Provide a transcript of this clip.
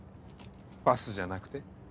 バスじゃなくて。